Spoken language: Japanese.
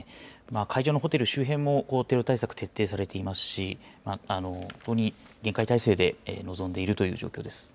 会場のホテル周辺もテロ対策徹底されていますし、本当に厳戒態勢で臨んでいるという状況です。